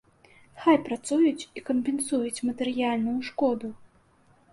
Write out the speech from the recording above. Хай працуюць і кампенсуюць матэрыяльную шкоду.